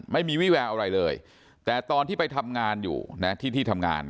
ไม่มีวิแววอะไรเลยแต่ตอนที่ไปทำงานอยู่นะที่ที่ทำงาน